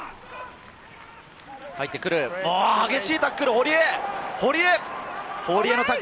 激しいタックル、堀江！